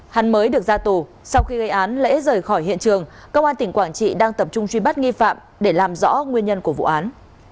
hắn mới được ra tù sau khi gây án lễ rời khỏi hiện trường công an tỉnh quảng trị đang tập trung truy bắt nghi phạm để làm rõ nguyên nhân của vụ án